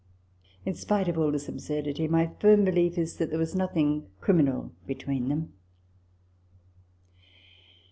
In spite of all this absurdity, my firm belief is that there was nothing criminal between them.